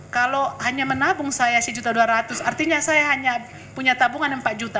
kalau hanya menabung saya sejuta dua ratus artinya saya hanya punya tabungan empat juta